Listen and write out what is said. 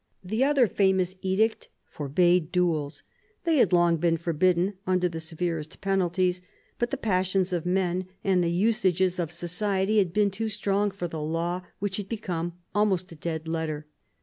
The other famous edict forbade duels. They had long been forbidden, under the ~se\rerest penalties ; but the passions of men and the usages of society had been too strong for the law, which had become almost a dead letter.